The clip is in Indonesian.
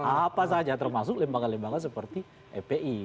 apa saja termasuk lembaga lembaga seperti epi